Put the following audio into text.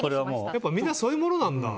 やっぱりみんなそういうものなんだ。